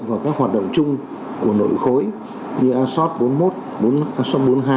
vào các hoạt động chung của nội khối như asos bốn mươi một asos bốn mươi hai